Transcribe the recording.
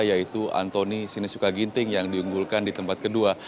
yaitu antoni sinisuka ginting yang diunggulkan di tempat kedua